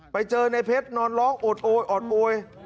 ไปเจอในเพชรนอนร้องโอดโอยอดโอย